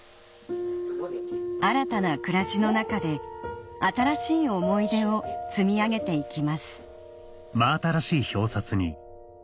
新たな暮らしの中で新しい思い出を積み上げていきます